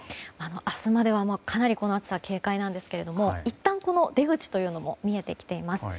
明日まではかなりこの暑さ警戒なんですけどもいったん出口というのも見えてきています。